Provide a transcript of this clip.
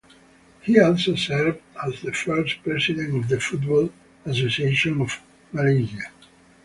He also served as the first president of the Football Association of Malaysia.